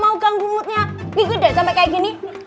mau ganggu moodnya gede sampe kayak gini